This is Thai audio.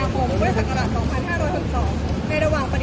ควรเข้ากรอด๒๒มีนาภูมิ